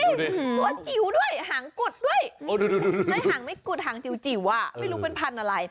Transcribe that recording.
ตัวจิ๋วด้วยหางกุดด้วยใช้หางไม่กุดหางจิ๋วไม่รู้เป็นพันธุ์อะไร